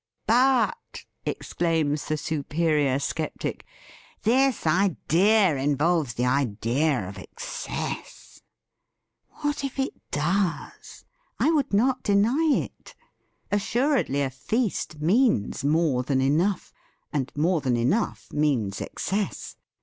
"But," exclaims the superior sceptic, "this idea involves the idea of excess!" What if it does? I would not deny it! Assuredly, a feast means more than enough, and more than enough means excess.